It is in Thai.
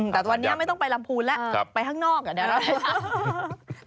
แต่ตอนนี้ไม่ต้องไปลำพูนแล้วไปข้างนอกเดี๋ยวเรา